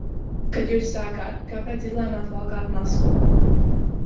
Kad Jūs sākāt, kāpēc izlēmāt valkāt masku?